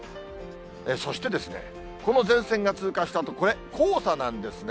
そしてですね、この前線が通過したあと、これ、黄砂なんですね。